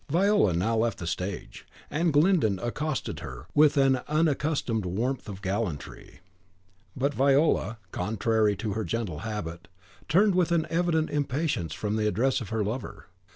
Viola now left the stage, and Glyndon accosted her with an unaccustomed warmth of gallantry. But Viola, contrary to her gentle habit, turned with an evident impatience from the address of her lover.